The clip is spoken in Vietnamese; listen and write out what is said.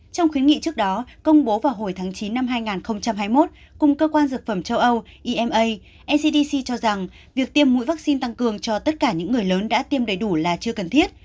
trong khuyến nghị trước đó công bố vào hồi tháng chín năm hai nghìn hai mươi một cùng cơ quan dược phẩm châu âu ima ncdc cho rằng việc tiêm mũi vaccine tăng cường cho tất cả những người lớn đã tiêm đầy đủ là chưa cần thiết